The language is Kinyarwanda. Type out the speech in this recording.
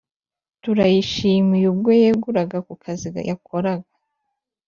turayishimiye ubwo yeguraga kukazi yakoraga